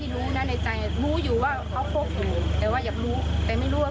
แล้วผู้หญิงคนนั้นเขาเขาโมโหเขาโมโหแล้วเขาเขาเฟสมาบอกว่า